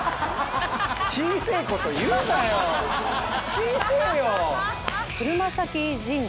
小せえよ！